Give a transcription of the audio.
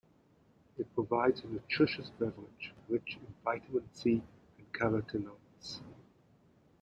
It provides a nutritious beverage, rich in vitamin C and carotenoids.